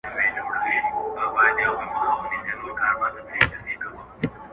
ته کامیاب یې تا تېر کړی تر هرڅه سخت امتحان دی,